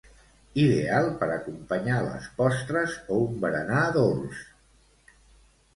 Ideal per acompanyar les postres o un berenar dolç.